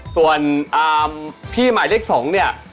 ส่วนพี่หมายเลข๒เนี่ย